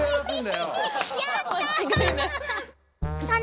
やったー！